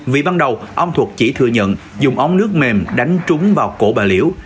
vì ban đầu ông thuật chỉ thừa nhận dùng ống nước mềm đánh trúng vào cổ bà liễu